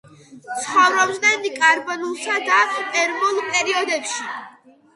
ცხოვრობდნენ კარბონულსა და პერმულ პერიოდებში.